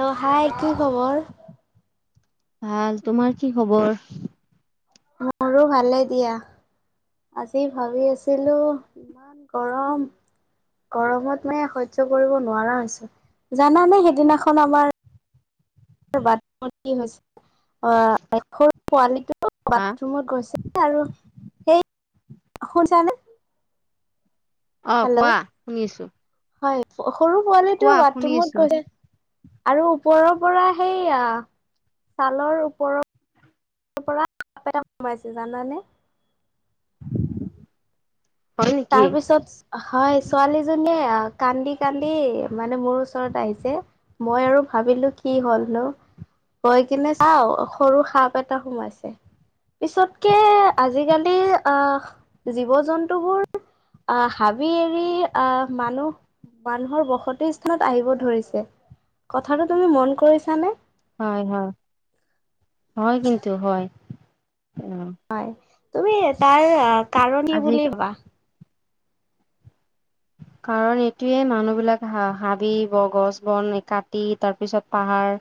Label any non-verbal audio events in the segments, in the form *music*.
অঁ হাই কি খবৰ? ভাল। তোমাৰ কি খবৰ? মোৰো ভালে দিয়া। আজি ভাবি আছিলো ইমান গৰম গৰমত মানে সহ্য কৰিব নোৱাৰা হৈছো জানানে সেইদিনাখন আমাৰ বাথৰুমত কি হৈছে অ সৰু পোৱালীটো হা বাথৰুমত গৈছে আৰু সেই শুনিছা নে অ হেল্ল' কোৱা শুনি আছো। হয় সৰু পোৱালিটো কোৱা শুনি বাথৰুমত আছো গৈ আৰু ওপৰৰ পৰা সেইয়া ছালৰ ওপৰৰ পৰা সোমাইছে জানানে হয় নেকি? তাৰ পিছত হয় ছোৱালীজনীয়ে কান্দি কান্দি মানে মোৰ ওচৰত আহিছে মই আৰু ভাবিলো কি হ'লনো গৈ কিনে চাও সৰু সাপ এটা সোমাইছে। পিছতকে আজিকালি আহ জীৱ জন্তু বোৰ আহ হাবি এৰি আহ মানুহ মানুহৰ বসতি স্থানত আহিব ধৰিছে। কথাটো তুমি মন কৰিছানে? হয় হয়, হয় কিন্ত হয় অ। হয় তুমি তাৰ কাৰণ কি আজি বুলি ভাবা? কাৰণ এইটোৱে মানুহবিলাক হ হাবি ব গছ বন কাটি তাৰপিছত পাহাৰ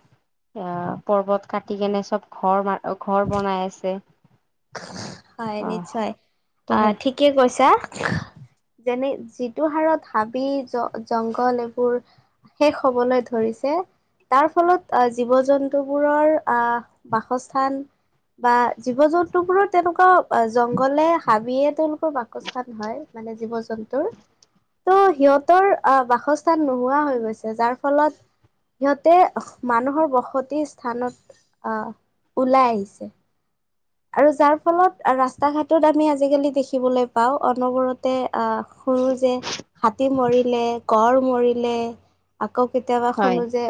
আহ পৰ্বত কাটি কেনে চব ঘৰ মাৰ ঘৰ বনাই আছে। হয় অ নিশ্চিয় ত আ সেই ঠিকে কৈছা। যেনে যিটো সাৰত হাবি জ জংঘল এইবোৰ শেষ হবলৈ ধৰিছে তাৰ ফলত আহ জীৱ জন্তুবোৰৰ আহ বাসস্থান বা জীৱ জন্তুবোৰৰ তেনেকুৱা জংঘলে হাবিয়ে তেওঁলোকৰ বাসস্থান হয়। মানে জীৱ জন্তুৰ। ত' সিহঁতৰ আহ বাসস্থান নোহোৱা হৈ গৈছে যাৰ ফলত সিহঁতে মানুহৰ বসতি স্থানত অহ ওলাই আহিছে। আৰু যাৰ ফলত, ৰাস্তা ঘাটত আমি আজিকালি দেখিবলৈ পাওঁ, অনবৰতে আহ, শুনো যে, হাতী মৰিলে, গড় মৰিলে। আকৌ কেতিয়াবা হয়। শুনো যে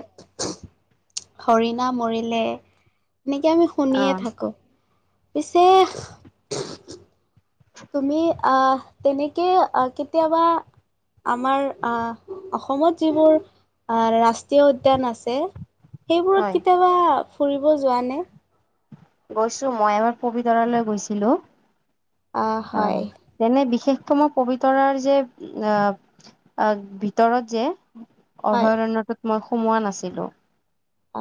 হৰিণা মৰিলে, এনেকে আমি অ শুনিয়ে থাকো। পিছে তুমি আহ তেনেকে কেতিয়াবা আমাৰ আহ, অসমত যিবোৰ আ, ৰাষ্ট্ৰীয় উদ্যান আছে, হয় সেইবোৰত কেতিয়াবা ফুৰিব যোৱা নে? গৈছো। মই এবাৰ পবিতৰালৈ গৈছিলোঁ। আহ তেনে বিশেষকৈ মই পবিতৰাৰ যে আহ আহ ভিতৰত যে হয় অভয়ৰণ্যটোত মই সোমোৱা নাছিলো।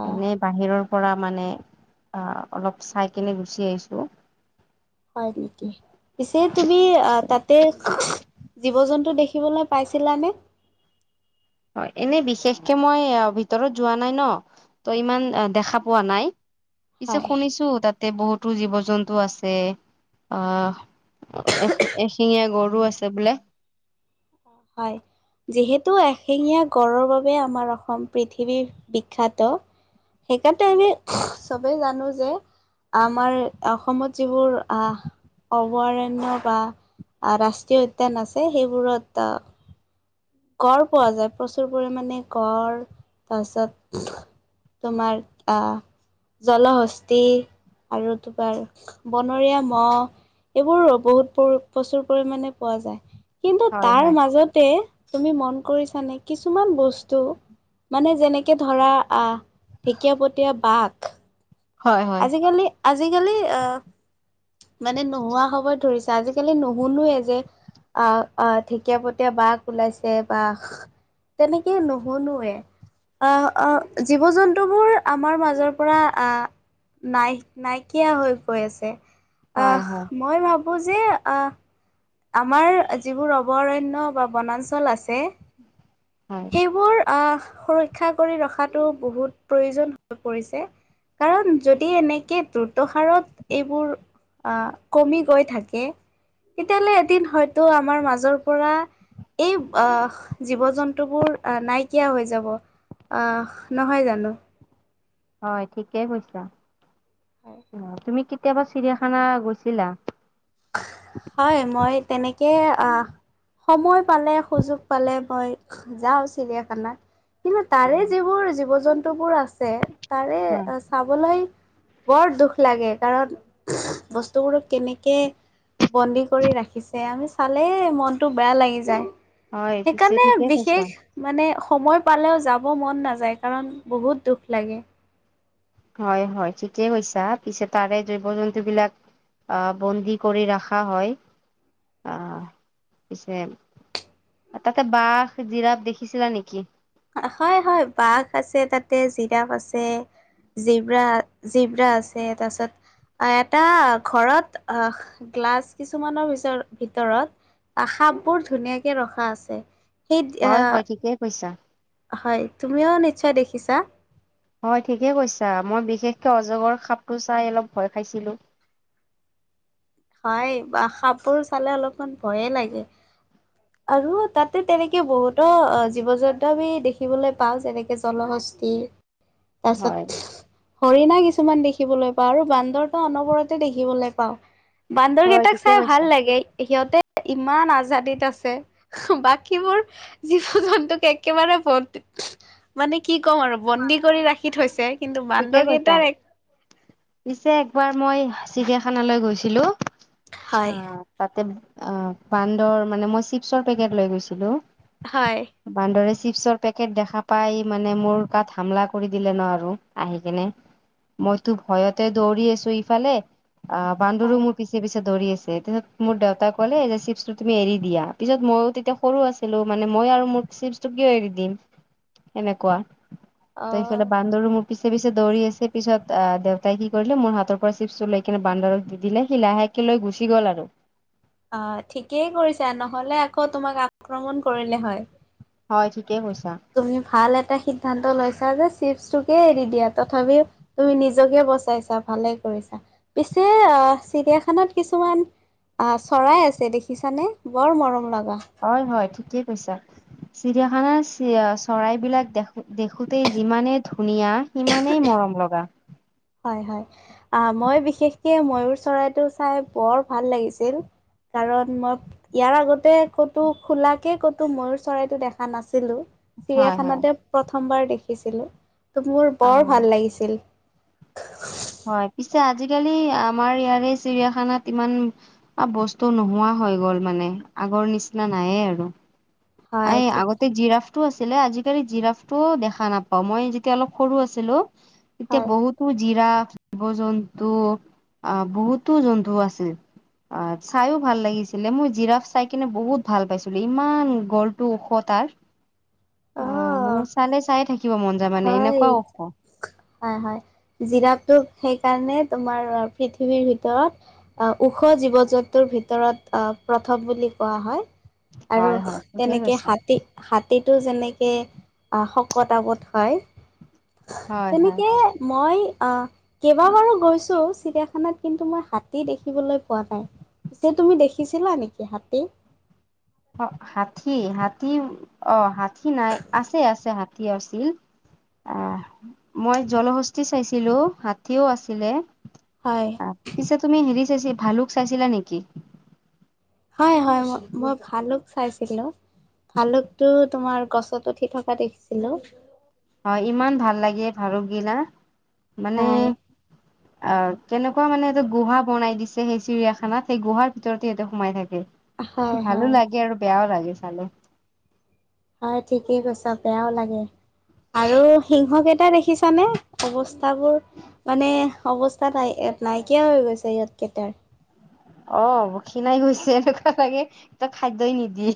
আহ এনেই বাহিৰৰ পৰা মানে অলপ চাই কেনে গুচি আহিছোঁ। হয় নেকি? পিছে তুমি আহ তাতে জীৱ জন্তু দেখিবলৈ পাইছিলানে? অ', এনেই বিশেষকে মই ভিতৰত যোৱা নাই ন। ত' ইমান দেখা পোৱা নাই, পিছে হয় শুনিছো, তাত তে, বহুতো জীৱ জন্তু আছে। আহ এ এশিঙীয়া গড়ও আছে বোলে। হয়। যিহেতু এশেঙীয়া গড়ৰ বাবে আমাৰ অসম পৃথিৱী বিখ্যাত। সেইকাৰণেটো আমি চবেই জানো যে আমাৰ অসমত যিবোৰ, আহ অভয়াৰণ্য বা ৰাষ্ট্ৰীয় উদ্যান আছে, সেইবোৰত গঁড় পোৱা যায়, প্ৰচুৰ পৰিমাণে গঁড়, তাৰপিছত তোমাৰ আহ জলহস্তি আৰু তোমাৰ বনৰীয়া মহ, এইবোৰো বহুত প্ৰচুৰ পৰিমাণে পোৱা যায়। কিন্তু, হয় তাৰ হয় মাজতে তুমি মন কৰিছানে? কিছুমান বস্তু, মানে যেনেকে ধৰা আহ ঢেকীয়াপতীয়া বাঘ হয় হয় আজিকালি আজিকালি, আহ মানে নোহোৱা হ'ব ধৰিছে। আজিকালি নুশুনুৱে যে আহ, আ, ঢেকীয়াপতীয়া বাঘ ওলাইছে বা তেনেকে নুশুনোৱে। আহ, জীৱ জন্তুবোৰ আমাৰ মাজৰ পৰা আহ নাই নাইকিয়া হৈ গৈ আছে। হয় আহ, হয় মই ভাবো যে, আহ আমাৰ যিবোৰ অভয়ৰণ্য বা বনাঞ্চল আছে। হয় সেইবোৰ আহ সুৰক্ষা কৰি ৰখাতো বহুত প্ৰয়োজন হৈ পৰিছে। কাৰণ, যদি এনেকে দ্ৰুত হাৰত এইবোৰ আহ, কমি গৈ থাকে। তেতিয়াহ'লে, এদিন হয়তো আমাৰ মাজৰ পৰা এই আহ জীৱ জন্তুবোৰ নাইকিয়া হৈ যাব। নহয় জানো? হয়, ঠিকেই কৈছা। আ, তুমি কেতিয়াবা চিৰিয়াখানা গৈছিলা? হয়, মই তেনেকে আহ সময় পালে, সুযোগ পালে, মই যাওঁ চিৰিয়াখানাত। কিন্তু, তাৰে যিবোৰ জীৱ জন্তু বোৰ আছে, তাৰে হয় আ চাবলৈ বৰ দুখ লাগে, কাৰণ বস্তুবোৰ কেনেকে বন্দী কৰি ৰাখিছে, আমি চালেই মনতটো বেয়া লাগি যায়। হয় পিছে সেইকাৰণে ঠিকে কৈছা বিশেষ মানে সময় পালেও যাব মন নাযায়, কাৰণ বহুত দুখ লাগে। হয়, হয় ঠিকে কৈছা, পিছে তাৰে জৈৱ জন্তু বিলাক আহ বন্দী কৰি ৰাখা হয়। আহ পিছে অ তাতে বাঘ, জিৰাফ দেখিছিলা নেকি? হয় হয়, বাঘ আছে তাতে জিৰাফ আছে। জেব্ৰা জেব্ৰা আছে তাৰপিছত, অ এটা ঘৰত আহ গ্লাছ কিছুমানৰ পিছত ভিতৰত, আ সাপ বোৰ ধুনীয়াকে ৰখা আছে। সেই হয় আহ হয় ঠিকেই কৈছা। হয়, তুমিও নিশ্চয় দেখিছা? হয়, ঠিকেই কৈছা মই বিশেষকৈ অজগৰ সাপটো চাই অলপ ভয় খাইছিলোঁ। হয়, সাপবোৰ চালে অলপমান ভয়ে লাগে। আৰু তাতে তেনেকে বহুতো জীৱ জন্তু আমি দেখিবলে পাওঁ যেনেকে জলহষ্ঠি। তাৰ হয় পিছত, হৰিণা কিছুমান দেখিবলৈ পাওঁ আৰু বান্দৰটো অনবৰতে দেখিবলে পাওঁ। বান্দৰ হয় কেইটাক ঠিকে চাই ভাল কৈছা লাগে সিহঁতে ইমান আজাদীত আ ছে, বাকীবোৰ জীৱ জন্তুক একেবাৰে বন্দীত, মানে কি ক'ম আৰু বন্দী কৰি ৰাখি থৈছে। কিন্তু বান্দৰ ঠিকেই কৈছা। কেইটাৰ এক পিছে একবাৰ মই চিৰিয়াখানালৈ গৈছিলো, হয়। আহ তাতে অ বান্দৰ মানে মই চিপছৰ পেকেট লৈ গৈছিলো। হয়। বান্দৰে চিপছৰ পেকেট দেখা পাই মানে মোৰ গাত হামলা কৰি দিলে ন আৰু। আহি কিনে, মইতো ভয়তে দৌৰি আছো ইফালে আহ বান্দৰো হয়। মোৰ, পিছে পিছে দৌৰি আছে, তাৰ পিছত মোৰ দেউতাই ক'লে যে চিপছটো তুমি এৰি দিয়া। পিছত মইও তেতিয়া, সৰু আছিলো, মানে মই আৰু মোৰ চিপছটো কিয় এৰি দিম? সেনেকুৱা। তাৰ পিছতে অ', বান্দৰো মোক, পিছে পিছে দৌৰি আছে, পিছত দেউতাই কি কৰিলে মোৰ হাতৰ পৰা চিপছ টো লৈ কিনে বান্দৰক দি দিলে, সি লাহে কে লৈ গুচি গ'ল আৰু। অ, ঠিকেই কৰিছা নহলে আকৌ তোমাক আক্ৰমণ কৰিলে হয়। হয়, ঠিকেই কৈছা। তুমি ভাল এটা সিদ্ধান্ত লৈছা যে চিপছটোকে এৰি দিয়া, তথাপিও তুমি নিজকে বচাইছা ভালে কৰিছা, পিছে আহ চিৰিয়াখানত কিছুমান, আহ চৰাই আছে দেখিছানে? বৰ মৰম লগা। হয় হয়, ঠিকেই কৈছা। চিৰিয়াখানাৰ চৰাইবিলাক দেখো দেখোতেই যিমানেই ধুনীয়া। সিমানেই মৰম লগা। হয় হয়, অ মই বিশেষকে ময়ুৰ চৰাইটো চাই বৰ ভাল লাগিছিল। কাৰণ মই, ইয়াৰ আগতে ক'তো খোলাকে ক'তো ময়ুৰ চৰাইটো দেখা নাছিলো। হয় হয় চিৰিয়াখানাতে প্ৰথমবাৰ দেখিছিলো ত' মোৰ অ বৰ ভাল লাগিছিল। *unintelligible* হয়, পিছে আজিকালি আমাৰ ইয়াৰে চিৰিয়াখানাত ইমান, বস্তু নোহোৱা হৈ গ'ল মানে আগৰ নিচিনা নাইয়ে আৰু। হয় এই ঠিক আগ তে জিৰাফটো আছিলে, আজিকালি জিৰাফটোও দেখা নাপাও, মই যেতিয়া অলপ সৰু আছিলো, তেতিয়া হয় বহুতো জিৰাফ, জীৱ-জন্তু আহ বহুতো জন্তু আছিল। অ চাইও ভাল লাগিছিলে, মই জিৰাফ চাই কিনে বহুত ভাল পাইছিলো ইমান গল্ টো ওখ তাৰ, অ মানে চালে চাই থাকিব মন যায় মানে এনেকুৱা ওখ। হয়-হয় জিৰাপটো সেইকাৰণে তোমাৰ অ'পৃথিৱীৰ ভিতৰত। ওখ জীৱ জন্তুৰ ভিতৰত প্ৰথম বুলি কোৱা হয়। আৰু হয় হয় ঠিকেই তেনেকে কৈছা হাতী- হাতীটো যেনেকৈ শকত-আপত হয়। হয় হয় তেনেকে মই আহ' কেইবাবাৰো গৈছোঁ চিৰিয়াখানাত কিন্তু মই হাতী দেখিবলৈ পোৱা নাই। পিছে তুমি দেখিছিলা নেকি হাতী। অ' হাটী হাতী অ হাটী নাই। আছে আছে হাতী আছিল। আহ' মই জলহস্তি চাইছিলোঁ, হাতীও আছিলে- হয় পিছে, তুমি হেৰি চাইছ ভালুক চাইছিলা নেকি? হয়-হয় ম মই ভালক চাইছিলোঁ। ভালুকটো তোমাৰ গছত উঠি থকা দেখিছিলোঁ। হয়, ইমান ভাল লাগে ভালুক গিনা মানে হয় অ' তেনেকুৱা মানে এইটো গুহা বনাই দিছে সেই চিৰিয়াখানাত সেই গুহাৰ ভিতৰতে সিহঁতে সোমাই থাকে। হয় ভালো হয়। লাগে আৰু বেয়াও লাগে চালে। হয় ঠিকে কৈছা, বেয়াও লাগে। আৰু সিংহকেইটা দেখিছানে অৱস্থাবোৰ। মানে, অৱস্থা নাই নাইকিয়া হৈ গৈছে ইহতকেইটাৰ। অ' ক্ষিণাই গৈছে এনেকুৱা, লাগে তাত খাদ্যই নিদিয়ে।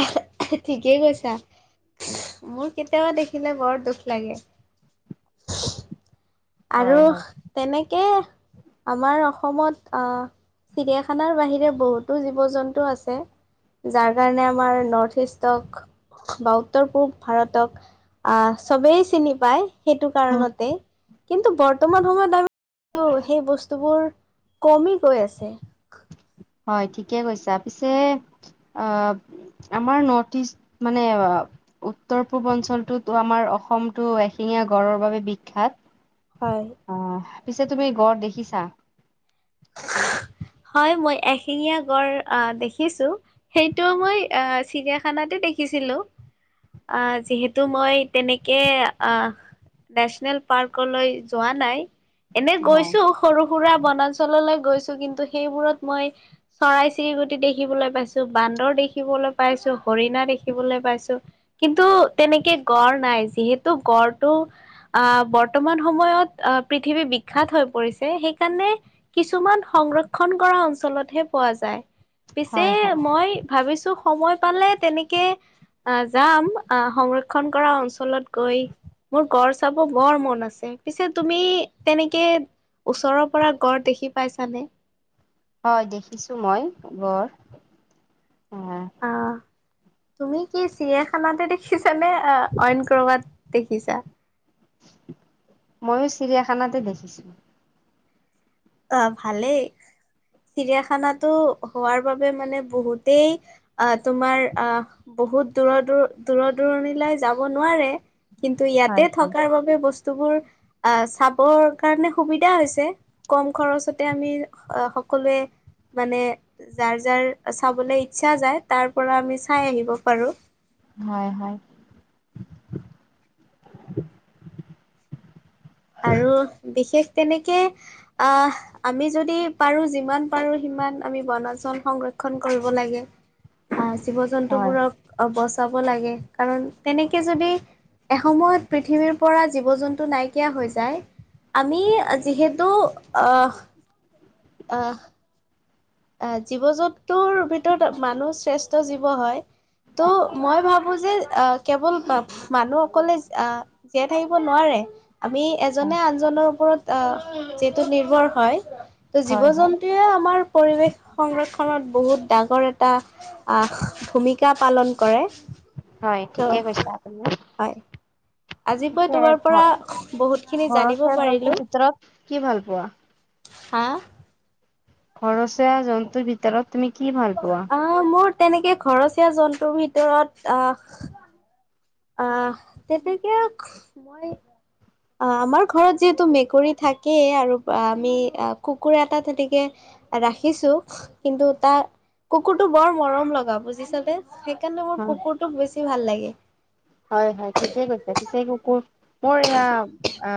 অ' ঠিকেই কৈছা। মোৰ কেতিয়াবা দেখিলে বৰ দুখ লাগে। আৰু হয় হয় তেনেকে আমাৰ অসমত অ' চিৰিয়াখানাৰ বাহিৰে বহুতো জীৱ জন্তু আছে। যাৰ কাৰণে আমাৰ নৰ্থ ইষ্টক বা উত্তৰ পূব ভাৰতক আহ চবেই চিনি পায়। সেইটো কাৰণতে কিন্তু বৰ্তমান সময়ত আমি সেই বস্তুবোৰ কমি গৈ আছে। হয় ঠিকে কৈছা পিছে অ' আমাৰ নৰ্থ ইষ্ট মানে উত্তৰ পূ্ব অঞ্চলটোতো আমাৰ অসমতটো এশিঙীয়া গড়ৰ বাবে বিখ্যাত। হয়। অ' পিছে তুমি গড় দেখিছা। হয়, মই এশিঙীয়া গড় আহ' দেখিছো। সেইটো মই আহ' চিৰিয়াখানাতে দেখিছিলোঁ। আহ' যিহেতু মই তেনেকে আহ' নেশ্যনেল পাৰ্কলৈ যোৱা নাই, এনে হয়। গৈছোঁ। সৰু সুৰা বনাঞ্চললৈ গৈছোঁ। কিন্তু সেইবোৰত মই- চৰাই-চিৰিকুটি দেখিবলৈ পাইছোঁ। বান্দৰ দেখিবলৈ পাইছো হৰিণা দেখিবলৈ পাইছোঁ। কিন্তু, তেনেকে গড় নাই যিহেতু গড়টো- আহ' বৰ্তমান সময়ত আহ পৃথিৱী বিখ্যাত হৈ পৰিছে সেইকাৰণে- কিছুমান সংৰক্ষণ কৰা অঞ্চলতহে পোৱা যায়। পিছে হয় হয় মই ভাবিছোঁ সময় পালে তেনেকে আহ' যাম আহ' সংৰক্ষণ কৰা অঞ্চলত গৈ মোৰ গড় চাব বৰ মন আছে। পিছে তুমি তেনেকে ওচৰৰ পৰা গড় দেখি পাইছানে? হয়। দেখিছোঁ মই গড়। অহ। অ'হ। তুমি কি চিৰিয়াখানাতে দেখিছা নে? অইন ক'ৰবাত দেখিছা? ময়ো চিৰিয়াখানাতে দেখিছোঁ। অ'হ ভালেই। চিৰিয়াখানাটো হোৱাৰ বাবে মানে বহুতেই আহ তোমাৰ- আহ, বহুত দূৰ -দূৰ- দূৰণিলৈ যাব নোৱাৰে। কিন্তু ইয়াতে হয় হয়। থকাৰ বাবে বস্তুবোৰ, আ চাবৰ কাৰণে সুবিধা হৈছে। কম খৰচতে আমি সকলোৱে মানে যাৰ যাৰ চাবলৈ ইচ্ছা যায়, তাৰ পৰা আমি চাই আহিব পাৰোঁ। হয়। হয়। আৰু বিশেষ তেনেকে, আহ আমি যদি পাৰো, যিমান পাৰো সিমান আমি বনাঞ্চল সংৰক্ষন কৰিব লাগে। অহ। হয় জীৱ-জন্তুবোৰক অ বচাব লাগে। কাৰণ তেনেকে যদি এসময়ত পৃথিৱীৰ পৰা জীৱ -জন্তু নাই - কিয়া হৈ যায়। আমি যিহেতু অহ অহ। আহ জীৱ -জন্তৰ ভিতৰত মানুহ শ্ৰেষ্ঠ জীৱ হয়। ত' মই ভাবো যে, আহ কেৱল মানুহ অকলে আহ জীয়াই থাকিব নোৱাৰে। আমি হয়। এজনে আনজনৰ ওপৰত আহ, যিহেতু নিৰ্ভৰ হয়, ত' হয় হয় জীৱ-জন্তু সেয়াই আমাৰ পৰিৱেশ সংৰক্ষণত বহুত ডাঙৰ এটা আহ ভূমিকা পালন কৰে। হয় ত ঠিকে কৈছে আপুনি। *inaudible* আজি মই পিছে তোমাৰ ঘ পৰা বহুতখিনি জানিব ঘৰচীয়া জন্তুৰ পাৰিলো। ভিতৰত কি ভাল পোৱা? হা ঘৰচীয়া জন্তুৰ ভিতৰত তুমি কি ভাল পোৱা? অ' মোৰ তেনেকে ঘৰচীয়া জন্তুৰ ভিতৰত, আহ আহ, তেনেকে মই অ' আমাৰ ঘৰত যিহেতু মেকুৰী থাকেই। আৰু আমি কুকুৰ এটা তেনেকে ৰাখিছোঁ। কিন্তু তাৰ কুকুৰটো বৰ মৰম লগা। বুজিছানে? সেইকাৰণে মোৰ কুকুৰটোক বেছি ভাল লাগে। হয়। হয়। ঠিকে কৈছে। পিছে কুকুৰ, মোৰ এয়া আ